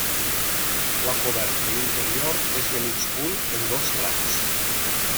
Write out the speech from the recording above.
La coberta interior és de mig punt, en dos trams.